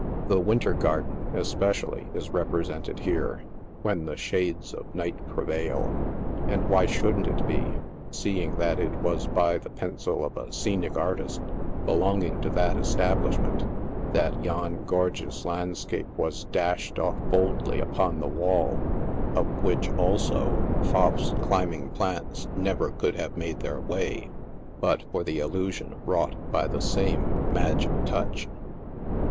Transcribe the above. The Winter Garden, especially, is represented here " when the shades of night prevail f and why shouldn't it be, seeing that it was by the pencil of a scenic artist belonging to that establishment, that yon gorgeous landscape was dashed off boldly upon the wall, up which, also, Pfaff s climbing plants never could have made their way, but for the illusion wrought by the same magic touch.